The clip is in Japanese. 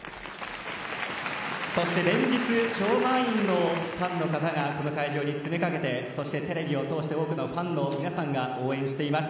そして、連日超満員のファンの方がこの会場に詰めかけてそしてテレビを通して多くのファンの皆さんが応援しています。